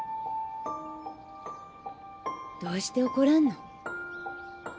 どうして怒らんの？